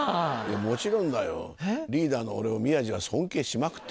もちろんだよ。リーダーの俺を宮治は尊敬しまくってんだ。